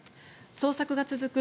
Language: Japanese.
捜索が続く